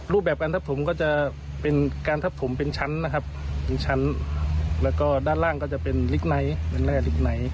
รูปแบบการทับถมก็จะเป็นการทับถมเป็นชั้นนะครับและก็ด้านล่างก็จะเป็นลิกไนท์